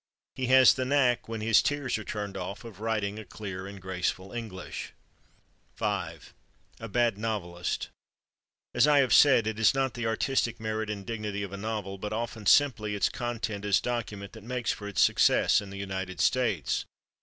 He has the knack, when his tears are turned off, of writing a clear and graceful English.... 5 A Bad Novelist As I have said, it is not the artistic merit and dignity of a novel, but often simply its content as document, that makes for its success in the United States.